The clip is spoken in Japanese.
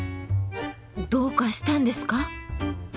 どうかしたんですか？